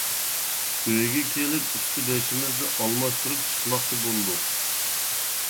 ئۆيگە كېلىپ ئۈستى بېشىمىزنى ئالماشتۇرۇپ چىقماقچى بولدۇق .